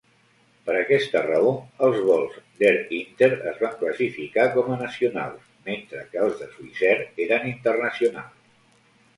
Per aquesta raó, els vols d'Air Inter es van classificar com a nacionals mentre que els de Swissair eren internacionals.